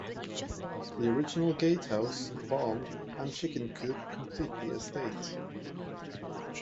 The original gatehouse, barn and chicken coop complete the estate.